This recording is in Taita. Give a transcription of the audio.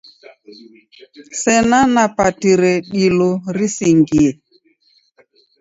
Sena napatire dilo risingie.